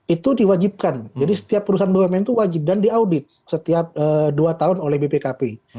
itu diwajibkan jadi setiap perusahaan bumn itu wajib dan diaudit setiap dua tahun oleh bpkp